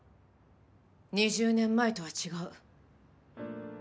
２０年前とは違う。